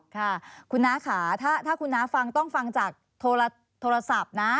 ค่ะคุณน้าค่ะถ้าคุณน้าฟังต้องฟังจากโทรศัพท์นะ